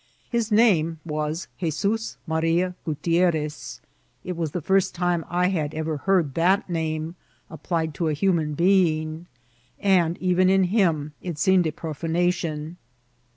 His name was Jesm Ma» ria Guttierrez. It was the first time I had ever heard tiiat name applied to a human being, and even in him it seemed a profiematioR.